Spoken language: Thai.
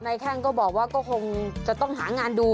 แข้งก็บอกว่าก็คงจะต้องหางานดู